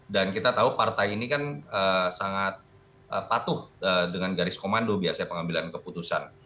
dan kita tahu partai ini kan sangat patuh dengan garis komando biasanya pengambilan keputusan